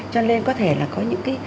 cho nên có thể là có những cái